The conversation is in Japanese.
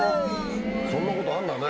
そんなことあんだね。